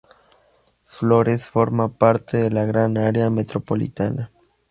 Flores forma parte de la Gran Área Metropolitana.